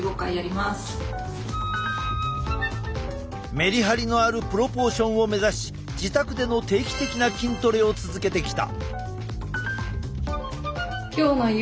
メリハリのあるプロポーションを目指し自宅での定期的な筋トレを続けてきた。